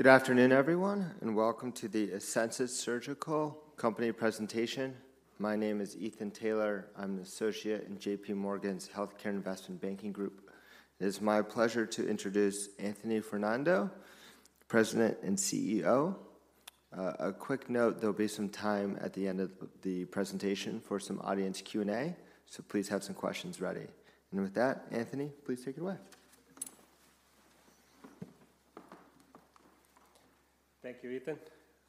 Good afternoon, everyone, and welcome to the Asensus Surgical company presentation. My name is Ethan Taylor. I'm an associate in J.P. Morgan's Healthcare Investment Banking group. It is my pleasure to introduce Anthony Fernando, President and CEO. A quick note, there'll be some time at the end of the presentation for some audience Q&A, so please have some questions ready. And with that, Anthony, please take it away. Thank you, Ethan.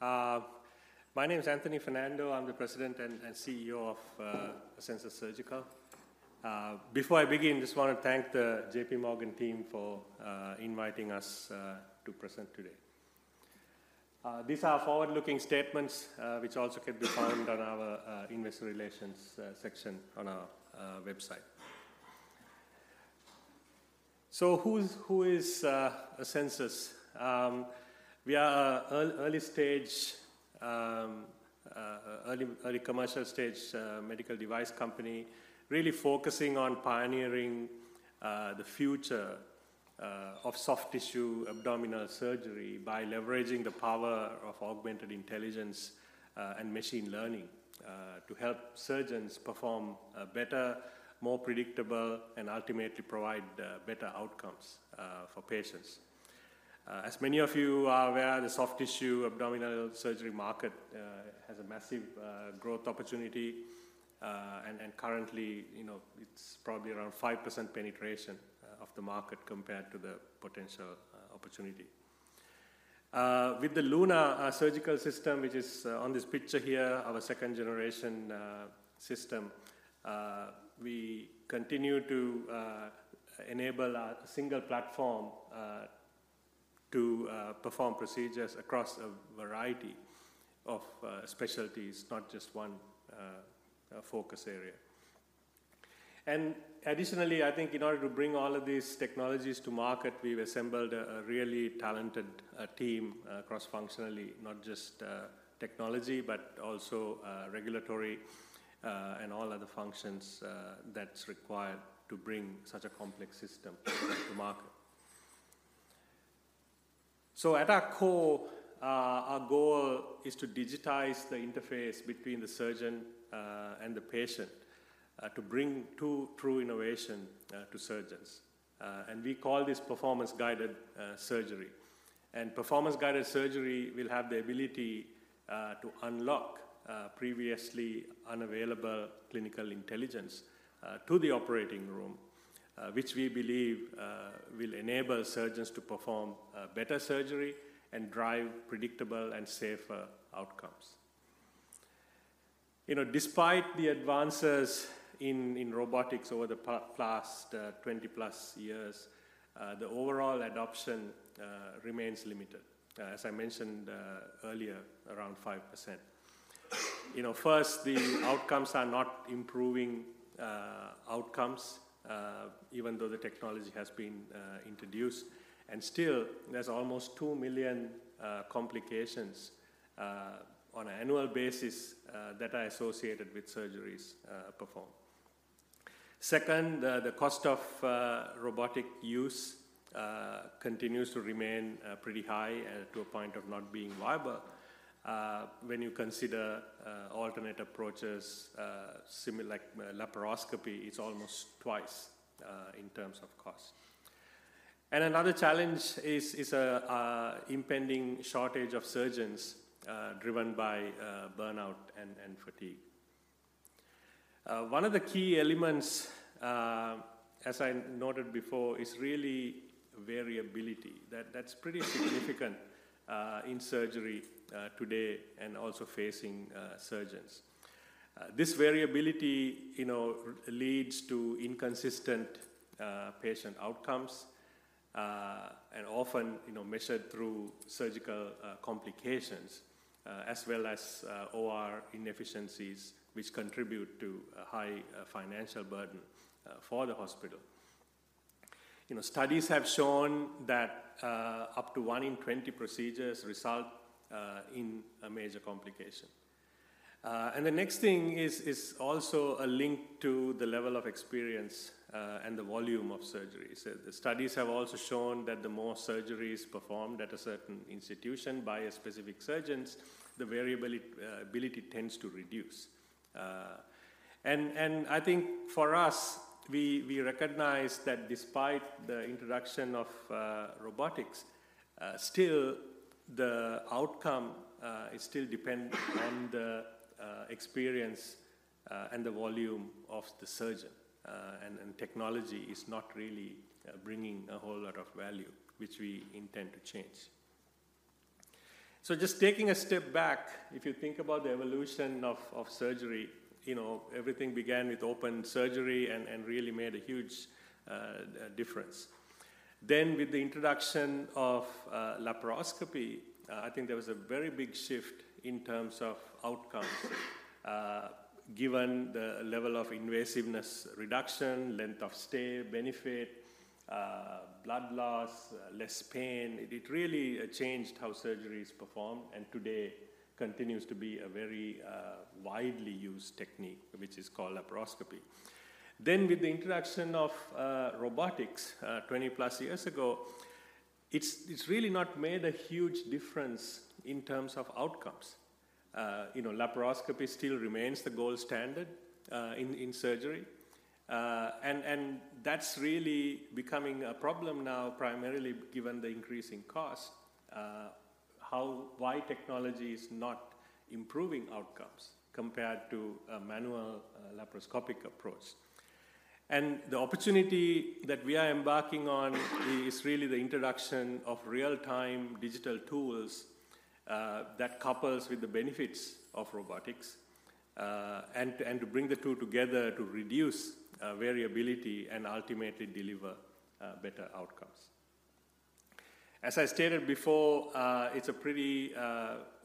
My name is Anthony Fernando. I'm the President and CEO of Asensus Surgical. Before I begin, just wanna thank the J.P. Morgan team for inviting us to present today. These are forward-looking statements, which also can be found on our investor relations section on our website. So who is Asensus? We are an early-stage, early commercial stage medical device company, really focusing on pioneering the future of soft tissue abdominal surgery by leveraging the power of Augmented Intelligence and machine learning to help surgeons perform better, more predictable, and ultimately provide better outcomes for patients. As many of you are aware, the soft tissue abdominal surgery market has a massive growth opportunity, and then currently, you know, it's probably around 5% penetration of the market compared to the potential opportunity. With the LUNA Surgical System, which is on this picture here, our second-generation system, we continue to enable a single platform to perform procedures across a variety of specialties, not just one focus area. Additionally, I think in order to bring all of these technologies to market, we've assembled a really talented team cross-functionally, not just technology, but also regulatory and all other functions that's required to bring such a complex system to market. So at our core, our goal is to digitize the interface between the surgeon and the patient to bring true innovation to surgeons. And we call this Performance-Guided Surgery. And Performance-Guided Surgery will have the ability to unlock previously unavailable clinical intelligence to the operating room, which we believe will enable surgeons to perform better surgery and drive predictable and safer outcomes. You know, despite the advances in robotics over the last 20+ years, the overall adoption remains limited, as I mentioned earlier, around 5%. You know, first, the outcomes are not improving, outcomes, even though the technology has been introduced, and still, there's almost 2 million complications on an annual basis that are associated with surgeries performed. Second, the cost of robotic use continues to remain pretty high, to a point of not being viable. When you consider alternate approaches, similar like laparoscopy, it's almost twice in terms of cost. And another challenge is an impending shortage of surgeons, driven by burnout and fatigue. One of the key elements, as I noted before, is really variability. That's pretty significant in surgery today and also facing surgeons. This variability, you know, leads to inconsistent patient outcomes, and often, you know, measured through surgical complications, as well as OR inefficiencies, which contribute to a high financial burden for the hospital. You know, studies have shown that up to 1 in 20 procedures result in a major complication. The next thing is also a link to the level of experience and the volume of surgeries. Studies have also shown that the more surgeries performed at a certain institution by a specific surgeons, the variability, ability tends to reduce. I think for us, we recognize that despite the introduction of robotics, still the outcome is still dependent on the experience and the volume of the surgeon, and technology is not really bringing a whole lot of value, which we intend to change. So just taking a step back, if you think about the evolution of surgery, you know, everything began with open surgery and really made a huge difference. Then, with the introduction of laparoscopy, I think there was a very big shift in terms of outcomes, given the level of invasiveness reduction, length of stay, benefit, blood loss, less pain; it really changed how surgery is performed, and today continues to be a very widely used technique, which is called laparoscopy. Then with the introduction of robotics, 20+ years ago, it's really not made a huge difference in terms of outcomes. You know, laparoscopy still remains the gold standard in surgery. And that's really becoming a problem now, primarily given the increasing cost, why technology is not improving outcomes compared to a manual laparoscopic approach. The opportunity that we are embarking on is really the introduction of real-time digital tools that couples with the benefits of robotics, and to bring the two together to reduce variability and ultimately deliver better outcomes. As I stated before, it's a pretty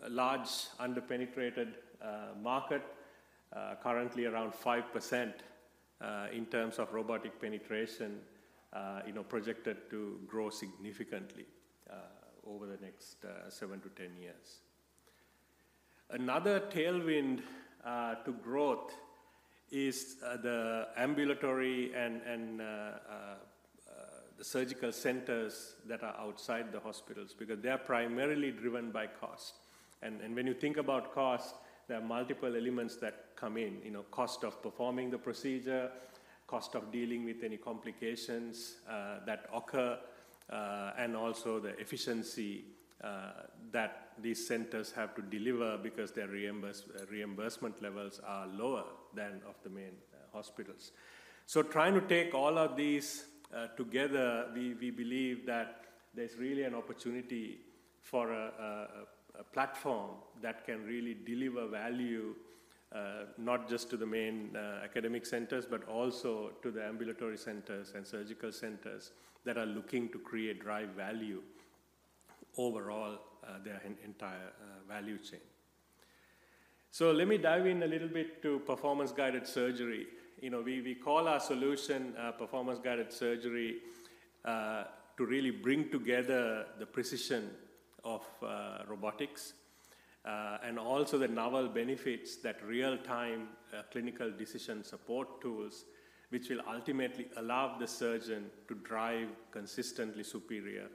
large under-penetrated market currently around 5% in terms of robotic penetration, you know, projected to grow significantly over the next 7-10 years. Another tailwind to growth is the ambulatory and the surgical centers that are outside the hospitals, because they are primarily driven by cost. And when you think about cost, there are multiple elements that come in, you know, cost of performing the procedure, cost of dealing with any complications that occur, and also the efficiency that these centers have to deliver because their reimbursement levels are lower than of the main hospitals. So trying to take all of these together, we believe that there's really an opportunity for a platform that can really deliver value, not just to the main academic centers, but also to the ambulatory centers and surgical centers that are looking to create drive value overall, their entire value chain. So let me dive in a little bit to Performance-Guided Surgery. You know, we call our solution Performance-Guided Surgery to really bring together the precision of robotics and also the novel benefits that real-time clinical decision support tools, which will ultimately allow the surgeon to drive consistently superior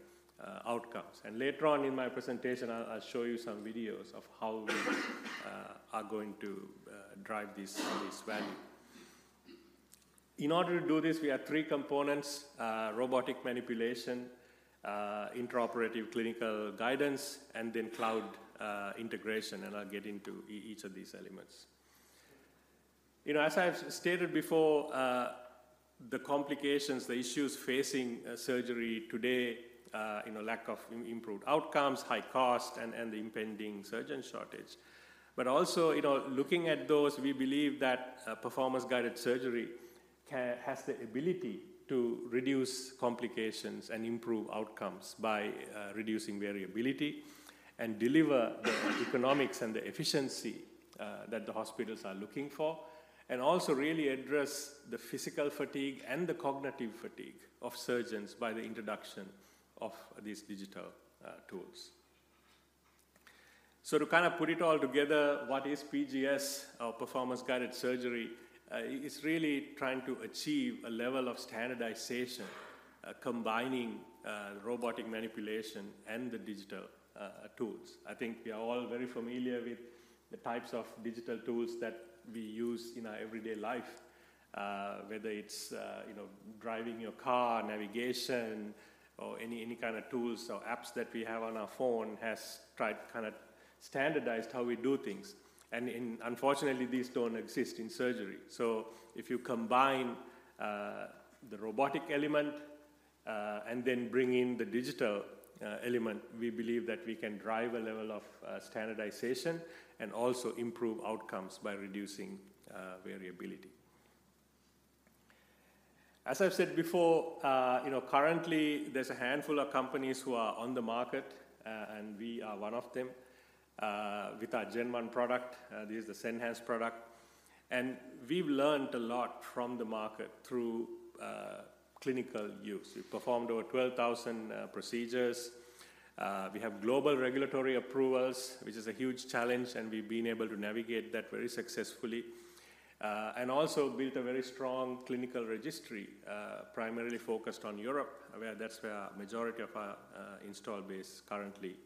outcomes. Later on in my presentation, I'll show you some videos of how we are going to drive this value. In order to do this, we have three components: robotic manipulation, intraoperative clinical guidance, and then cloud integration, and I'll get into each of these elements. You know, as I've stated before, the complications, the issues facing surgery today, you know, lack of improved outcomes, high cost, and the impending surgeon shortage. But also, you know, looking at those, we believe that Performance-Guided Surgery has the ability to reduce complications and improve outcomes by reducing variability, and deliver the economics and the efficiency that the hospitals are looking for, and also really address the physical fatigue and the cognitive fatigue of surgeons by the introduction of these digital tools. So to kind of put it all together, what is PGS, or Performance-Guided Surgery? It's really trying to achieve a level of standardization combining robotic manipulation and the digital tools. I think we are all very familiar with the types of digital tools that we use in our everyday life whether it's you know driving your car, navigation, or any kind of tools or apps that we have on our phone has tried to kind of standardized how we do things. Unfortunately, these don't exist in surgery. So if you combine the robotic element and then bring in the digital element, we believe that we can drive a level of standardization and also improve outcomes by reducing variability. As I've said before, you know, currently there's a handful of companies who are on the market and we are one of them with our Gen-1 product, this is the Senhance product. We've learned a lot from the market through clinical use. We've performed over 12,000 procedures. We have global regulatory approvals, which is a huge challenge, and we've been able to navigate that very successfully. And also built a very strong clinical registry, primarily focused on Europe, where the majority of our install base currently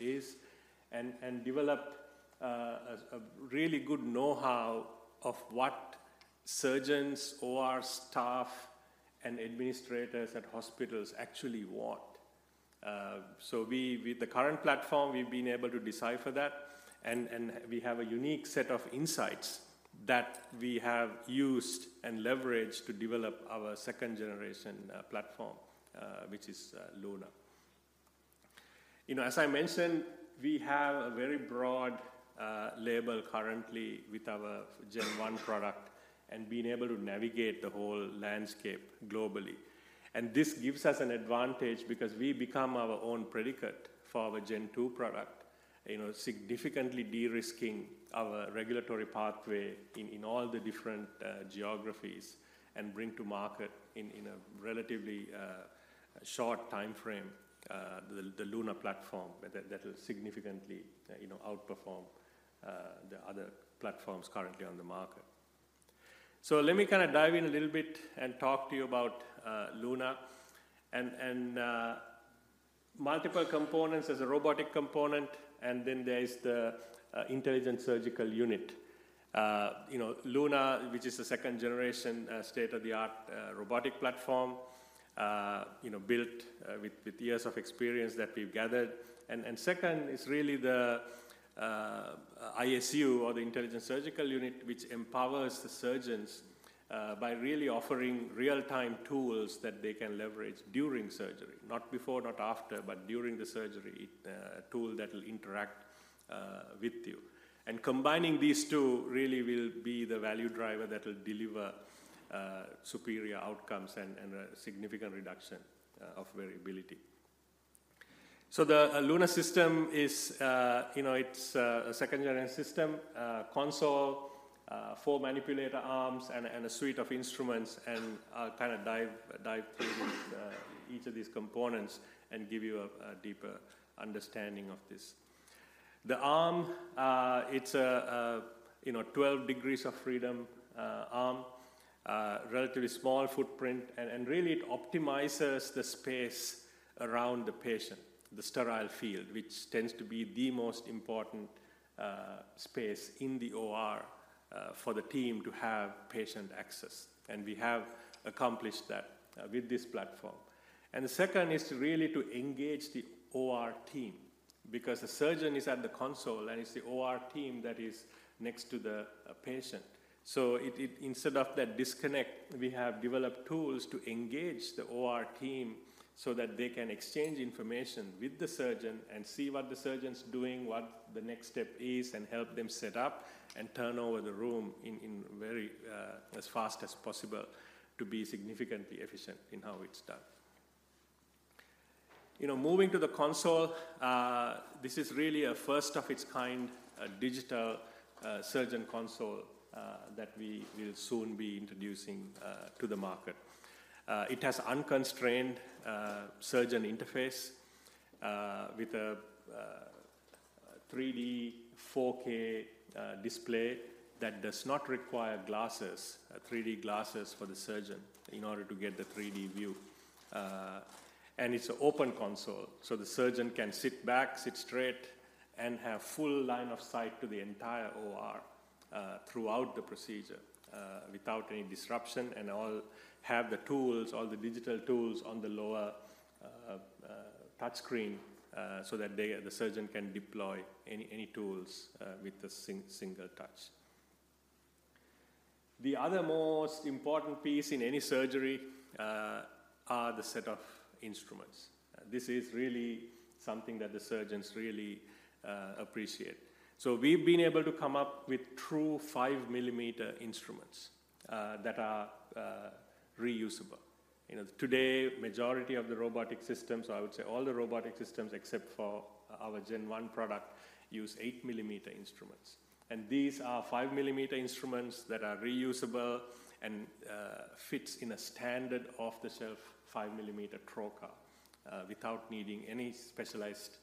is, and developed a really good know-how of what surgeons or our staff and administrators at hospitals actually want. So, with the current platform, we've been able to decipher that, and we have a unique set of insights that we have used and leveraged to develop our second-generation platform, which is LUNA. You know, as I mentioned, we have a very broad label currently with our Gen-1 product, and been able to navigate the whole landscape globally. And this gives us an advantage because we become our own predicate for our Gen-2 product, you know, significantly de-risking our regulatory pathway in, in all the different geographies, and bring to market in, in a relatively short timeframe, the LUNA platform, that, that will significantly, you know, outperform the other platforms currently on the market. So let me kind of dive in a little bit and talk to you about LUNA. And multiple components: there's a robotic component, and then there is the Intelligent Surgical Unit. You know, LUNA, which is a second-generation state-of-the-art robotic platform, you know, built with years of experience that we've gathered. Second is really the ISU, or the Intelligent Surgical Unit, which empowers the surgeons by really offering real-time tools that they can leverage during surgery, not before, not after, but during the surgery, a tool that will interact with you. And combining these two really will be the value driver that will deliver superior outcomes and a significant reduction of variability. So the LUNA system is, you know, it's a second-generation system, console, four manipulator arms, and a suite of instruments, and I'll kind of dive through each of these components and give you a deeper understanding of this. The arm, it's a you know 12 degrees of freedom arm, relatively small footprint, and really it optimizes the space around the patient, the sterile field, which tends to be the most important space in the OR for the team to have patient access, and we have accomplished that with this platform. The second is really to engage the OR team, because the surgeon is at the console, and it's the OR team that is next to the patient. So it instead of that disconnect, we have developed tools to engage the OR team so that they can exchange information with the surgeon and see what the surgeon's doing, what the next step is, and help them set up and turn over the room in very as fast as possible to be significantly efficient in how it's done. You know, moving to the console, this is really a first-of-its-kind digital surgeon console that we will soon be introducing to the market. It has unconstrained surgeon interface with a 3D 4K display that does not require glasses, 3D glasses for the surgeon in order to get the 3D view. And it's an open console, so the surgeon can sit back, sit straight, and have full line of sight to the entire OR throughout the procedure without any disruption, and have the tools, all the digital tools on the lower touchscreen so that they, the surgeon can deploy any tools with a single touch. The other most important piece in any surgery are the set of instruments. This is really something that the surgeons really appreciate. So we've been able to come up with true 5 mm instruments that are reusable. You know, today, majority of the robotic systems, I would say all the robotic systems except for our Gen-1 product, use 8 mm instruments, and these are 5 mm instruments that are reusable and fits in a standard off-the-shelf 5 mm trocar, without needing any specialized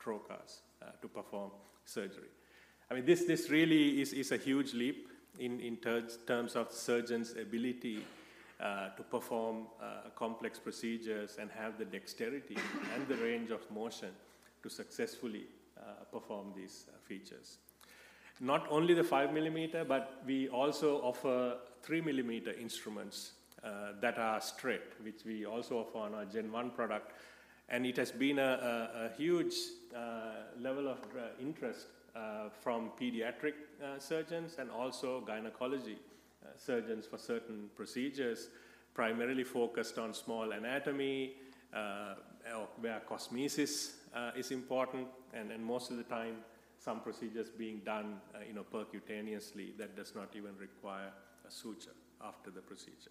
trocars to perform surgery. I mean, this really is a huge leap in terms of surgeons' ability to perform complex procedures and have the dexterity and the range of motion to successfully perform these features. Not only the 5 mm, but we also offer 3 mm instruments, that are straight, which we also offer on our Gen-1 product, and it has been a huge level of interest from pediatric surgeons and also gynecology surgeons for certain procedures, primarily focused on small anatomy, or where cosmesis is important, and most of the time, some procedures being done, you know, percutaneously, that does not even require a suture after the procedure.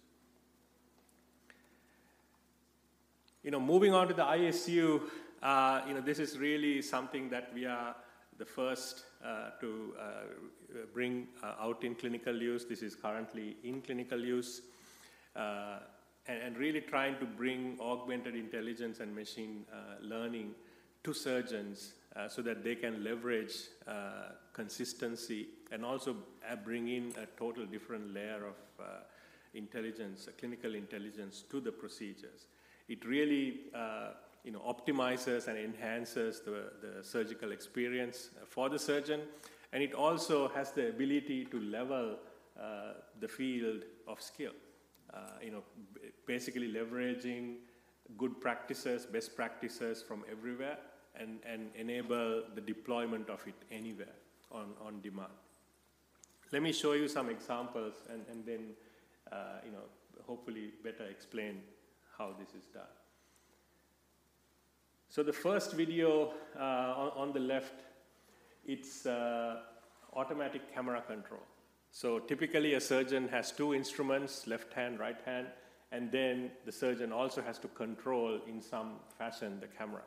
You know, moving on to the ISU, you know, this is really something that we are the first to bring out in clinical use. This is currently in clinical use. Really trying to bring augmented intelligence and machine learning to surgeons so that they can leverage consistency and also bring in a total different layer of intelligence, clinical intelligence to the procedures. It really, you know, optimizes and enhances the surgical experience for the surgeon, and it also has the ability to level the field of skill. You know, basically leveraging good practices, best practices from everywhere and enable the deployment of it anywhere on demand. Let me show you some examples and then, you know, hopefully better explain how this is done. So the first video on the left, it's automatic camera control. So typically, a surgeon has two instruments, left hand, right hand, and then the surgeon also has to control, in some fashion, the camera.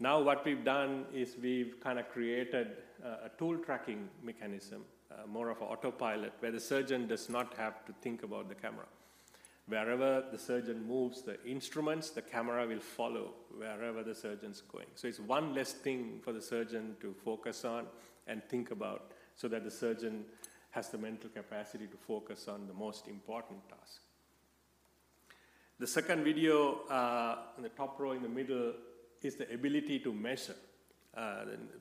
Now, what we've done is we've kind of created, a tool tracking mechanism, more of an autopilot, where the surgeon does not have to think about the camera, wherever the surgeon moves the instruments, the camera will follow wherever the surgeon's going. So it's one less thing for the surgeon to focus on and think about, so that the surgeon has the mental capacity to focus on the most important task. The second video, in the top row in the middle, is the ability to measure.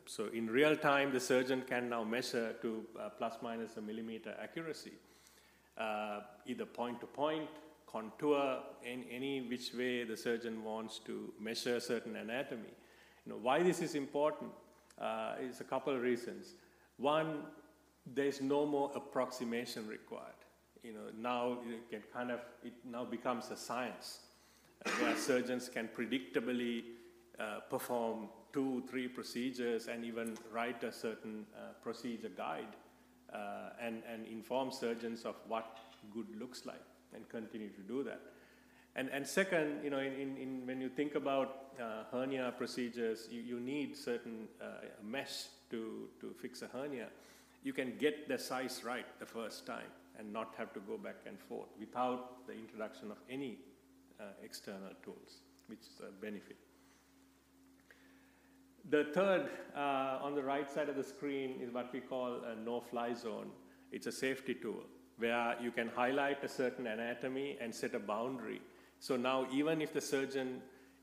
So in real time, the surgeon can now measure to ±1 mm accuracy, either point to point, contour, in any which way the surgeon wants to measure certain anatomy. You know, why this is important, is a couple of reasons. One, there is no more approximation required. You know, now you can kind of, it now becomes a science, where surgeons can predictably perform two, three procedures and even write a certain procedure guide and inform surgeons of what good looks like and continue to do that. And second, you know, when you think about hernia procedures, you need certain mesh to fix a hernia. You can get the size right the first time and not have to go back and forth without the introduction of any external tools, which is a benefit. The third, on the right side of the screen, is what we call a no-fly zone. It's a safety tool, where you can highlight a certain anatomy and set a boundary. So now, even if the surgeon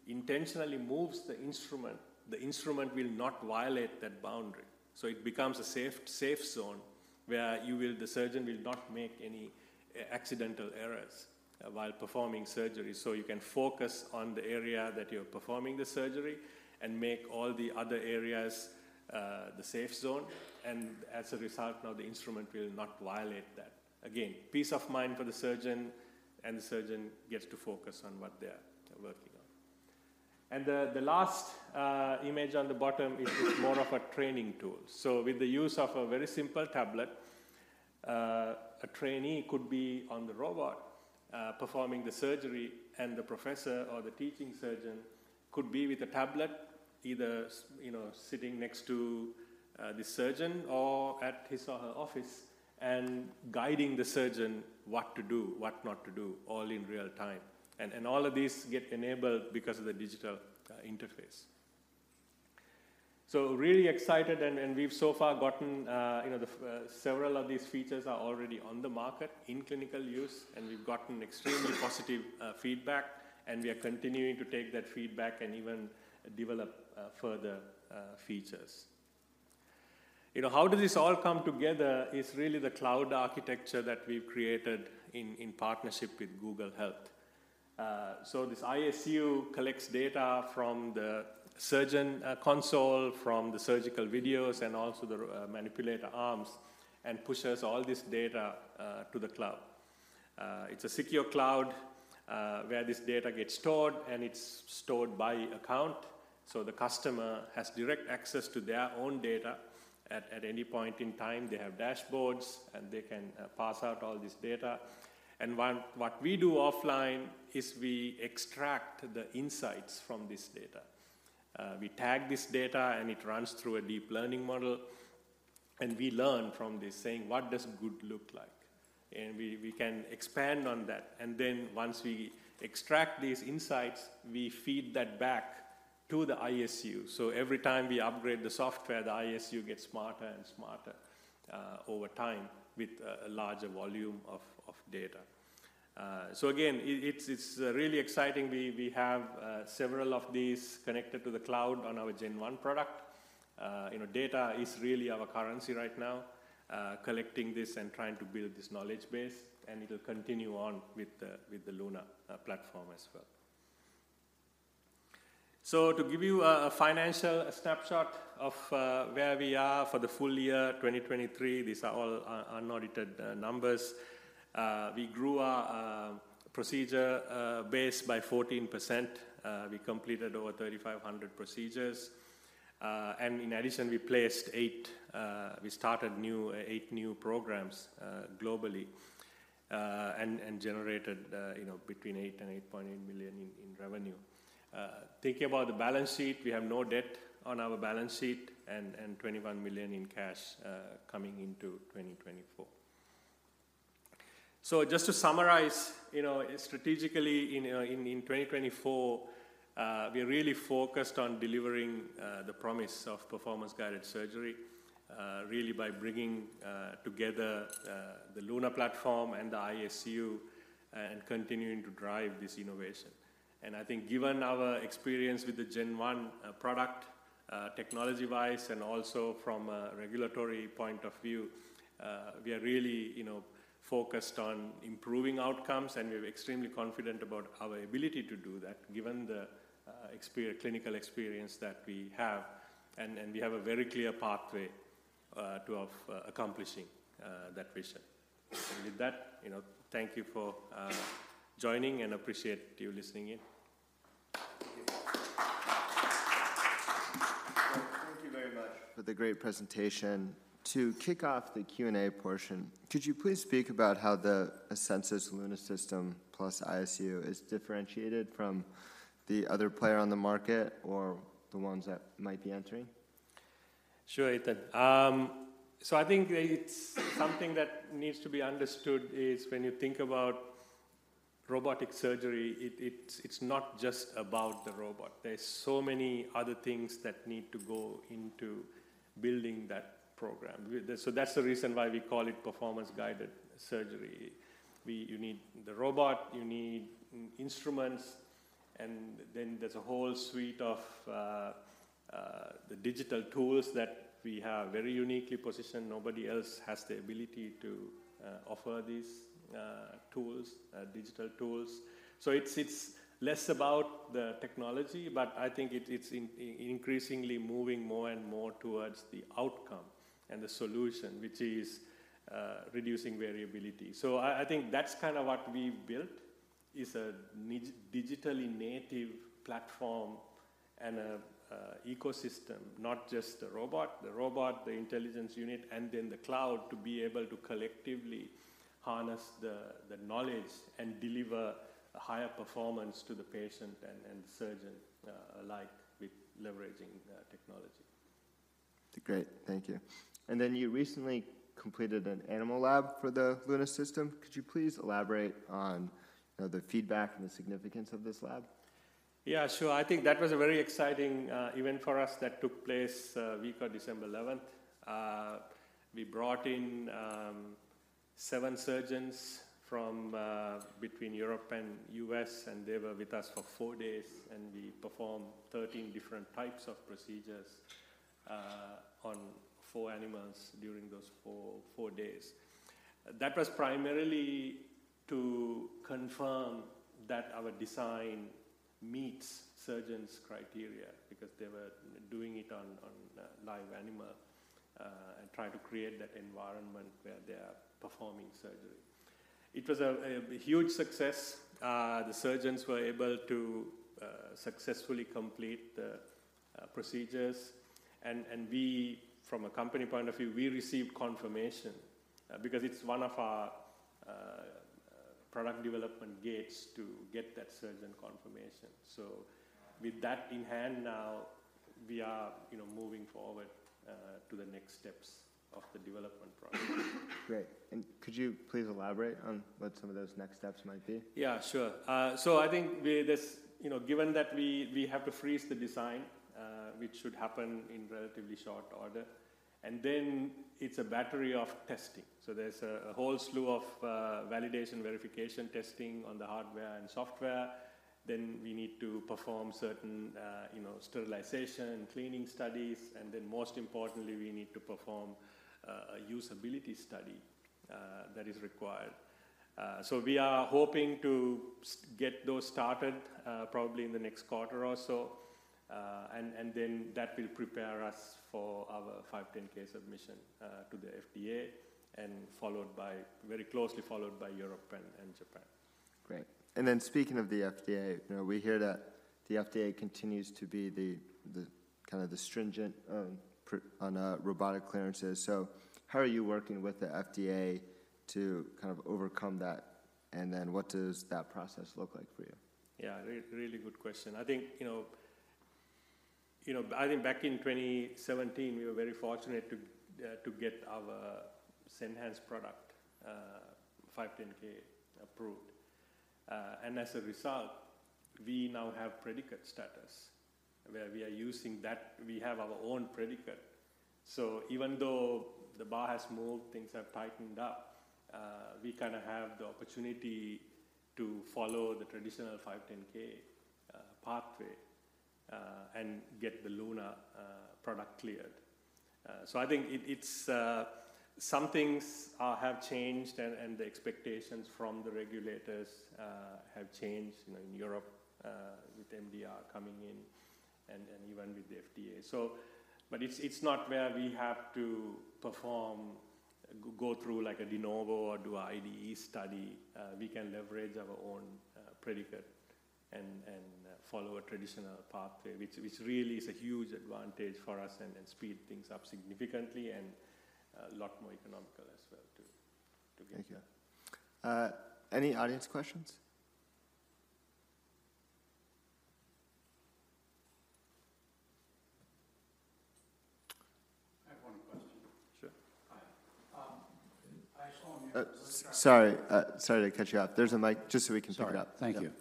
intentionally moves the instrument, the instrument will not violate that boundary. So it becomes a safe zone where the surgeon will not make any accidental errors while performing surgery. So you can focus on the area that you're performing the surgery and make all the other areas the safe zone, and as a result, now the instrument will not violate that. Again, peace of mind for the surgeon, and the surgeon gets to focus on what they are working on. And the last image on the bottom is more of a training tool. So with the use of a very simple tablet, a trainee could be on the robot, performing the surgery, and the professor or the teaching surgeon could be with a tablet, either sitting next to the surgeon or at his or her office, and guiding the surgeon what to do, what not to do, all in real time. And all of these get enabled because of the digital interface. So really excited, and we've so far gotten, you know, several of these features are already on the market in clinical use, and we've gotten extremely positive feedback, and we are continuing to take that feedback and even develop further features. You know, how does this all come together? It's really the cloud architecture that we've created in partnership with Google Cloud. So this ISU collects data from the surgeon console, from the surgical videos, and also the manipulator arms, and pushes all this data to the cloud. It's a secure cloud where this data gets stored, and it's stored by account, so the customer has direct access to their own data at any point in time. They have dashboards, and they can parse out all this data. And what we do offline is we extract the insights from this data. We tag this data, and it runs through a deep learning model, and we learn from this, saying: What does good look like? And we can expand on that. And then once we extract these insights, we feed that back to the ISU. So every time we upgrade the software, the ISU gets smarter and smarter over time with a larger volume of data. So again, it's really exciting. We have several of these connected to the cloud on our Gen-1 product. You know, data is really our currency right now, collecting this and trying to build this knowledge base, and it'll continue on with the LUNA platform as well. So to give you a financial snapshot of where we are for the full year 2023, these are all unaudited numbers. We grew our procedure base by 14%. We completed over 3,500 procedures. And in addition, we placed eight—we started new, eight new programs globally, and generated, you know, between $8 million and $8.8 million in revenue. Thinking about the balance sheet, we have no debt on our balance sheet and $21 million in cash coming into 2024. So just to summarize, you know, strategically in 2024, we are really focused on delivering the promise of Performance-Guided Surgery, really by bringing together the LUNA platform and the ISU, and continuing to drive this innovation. And I think given our experience with the Gen-1 product, technology-wise, and also from a regulatory point of view, we are really, you know, focused on improving outcomes, and we're extremely confident about our ability to do that, given the clinical experience that we have. And we have a very clear pathway to accomplishing that vision. And with that, you know, thank you for joining, and appreciate you listening in. Thank you very much for the great presentation. To kick off the Q&A portion, could you please speak about how the Asensus Luna system plus ISU is differentiated from the other player on the market or the ones that might be entering?... Sure, Ethan. So I think it's something that needs to be understood is when you think about robotic surgery, it's not just about the robot. There's so many other things that need to go into building that program. So that's the reason why we call it Performance-Guided Surgery. You need the robot, you need instruments, and then there's a whole suite of the digital tools that we have very uniquely positioned. Nobody else has the ability to offer these digital tools. So it's less about the technology, but I think it's increasingly moving more and more towards the outcome and the solution, which is reducing variability. So I think that's kind of what we've built, is a digitally native platform and a ecosystem, not just the robot: the robot, the intelligence unit, and then the cloud to be able to collectively harness the knowledge and deliver a higher performance to the patient and the surgeon alike with leveraging technology. Great, thank you. And then you recently completed an animal lab for the LUNA system. Could you please elaborate on the feedback and the significance of this lab? Yeah, sure. I think that was a very exciting event for us that took place week of December 11th. We brought in seven surgeons from between Europe and U.S., and they were with us for four days, and we performed 13 different types of procedures on four animals during those four days. That was primarily to confirm that our design meets surgeons' criteria, because they were doing it on live animal and trying to create that environment where they are performing surgery. It was a huge success. The surgeons were able to successfully complete the procedures, and we, from a company point of view, we received confirmation because it's one of our product development gates to get that surgeon confirmation. With that in hand now, we are, you know, moving forward to the next steps of the development process. Great. Could you please elaborate on what some of those next steps might be? Yeah, sure. So I think, you know, given that we have to freeze the design, which should happen in relatively short order, and then it's a battery of testing. So there's a whole slew of validation, verification testing on the hardware and software. Then we need to perform certain, you know, sterilization and cleaning studies, and then most importantly, we need to perform a usability study that is required. So we are hoping to get those started, probably in the next quarter or so, and then that will prepare us for our 510(k) submission to the FDA, and followed very closely by Europe and Japan. Great. Speaking of the FDA, you know, we hear that the FDA continues to be the kinda stringent on robotic clearances. So how are you working with the FDA to kind of overcome that, and then what does that process look like for you? Yeah, really, really good question. I think, you know, you know, I think back in 2017, we were very fortunate to get our Senhance product 510(k) approved. And as a result, we now have predicate status, where we are using that. We have our own predicate. So even though the bar has moved, things have tightened up, we kind of have the opportunity to follow the traditional 510(k) pathway and get the Luna product cleared. So I think it's... Some things have changed, and the expectations from the regulators have changed, you know, in Europe with MDR coming in and even with the FDA. So but it's not where we have to go through like a de novo or do IDE study. We can leverage our own predicate and follow a traditional pathway, which really is a huge advantage for us and speed things up significantly and a lot more economical as well, too. Thank you. Any audience questions? I have one question. Sure. Hi. I saw in your- Sorry, sorry to cut you off. There's a mic, just so we can pick it up. Sorry. Thank you.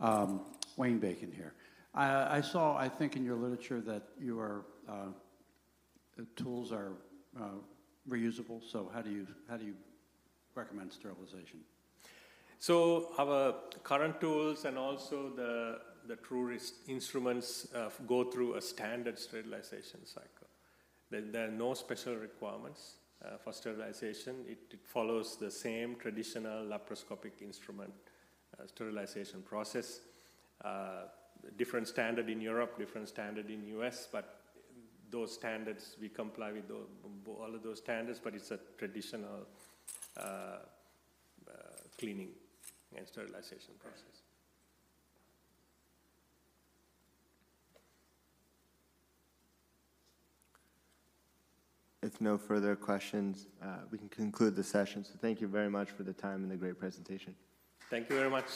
Yep. Wayne Bacon here. I saw, I think, in your literature that your tools are reusable, so how do you recommend sterilization? So our current tools and also the TrueWrist instruments go through a standard sterilization cycle. There are no special requirements for sterilization. It follows the same traditional laparoscopic instrument sterilization process. Different standard in Europe, different standard in U.S., but those standards, we comply with all of those standards, but it's a traditional cleaning and sterilization process. If no further questions, we can conclude the session. So thank you very much for the time and the great presentation. Thank you very much.